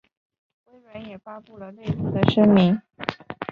微软也发布了类似的声明。